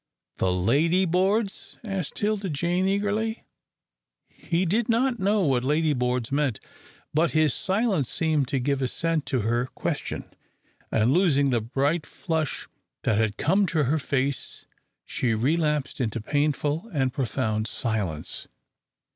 "The lady boards?" asked 'Tilda Jane, eagerly. He did not know what "lady boards" meant, but his silence seemed to give assent to her question, and losing the bright flush that had come to her face, she relapsed into painful and profound silence.